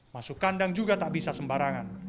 masuk kandang juga tak bisa sembarangan